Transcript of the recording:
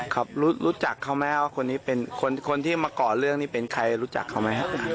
ครับรู้จักเขาไหมว่าคนนี้เป็นคนที่มาก่อเรื่องนี้เป็นใครรู้จักเขาไหมครับ